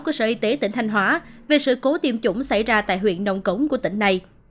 của sở y tế tỉnh thanh hóa về sự cố tiêm chủng xảy ra tại huyện nông cống của tỉnh này